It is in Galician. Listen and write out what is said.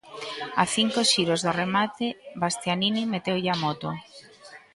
A cinco xiros do remate, Bastianini meteulle a moto.